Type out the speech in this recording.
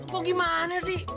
kok gimana sih